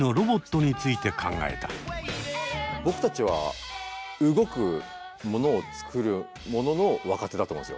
僕たちは動くものをつくるものの若手だと思うんですよ。